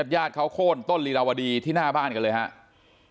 ญาติเขาโค้นต้นลีลาวดีที่หน้าบ้านกันเลยครับ